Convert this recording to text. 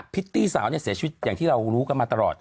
ิตตี้สาวเนี่ยเสียชีวิตอย่างที่เรารู้กันมาตลอด